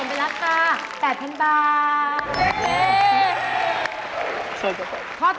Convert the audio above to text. อันนี้ค่ะส่วนเป็นรักษา๘๐๐๐บาท